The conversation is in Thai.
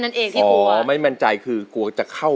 แผนที่๓ที่คุณนุ้ยเลือกออกมานะครับ